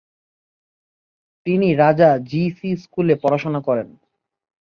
তিনি Raja G C স্কুলে পড়াশোনা করেন।